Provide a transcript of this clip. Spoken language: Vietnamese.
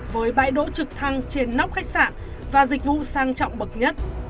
với bảy độ trực thăng trên nóc khách sạn và dịch vụ sang trọng bậc nhất